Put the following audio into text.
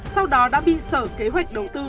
sau đó đã bi sở kế hoạch đầu tư